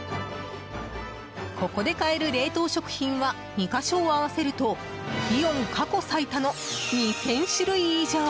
ここで買える冷凍食品は２か所を合わせるとイオン過去最多の２０００種類以上。